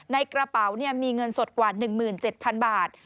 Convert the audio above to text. ในกระเป๋ามีเงินสดกว่า๑๗๐๐๐บาท